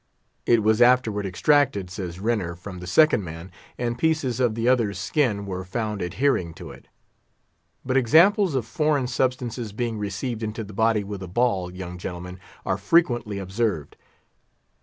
It was afterward extracted, says Renner, from the second man, and pieces of the other's skin were found adhering to it. But examples of foreign substances being received into the body with a ball, young gentlemen, are frequently observed.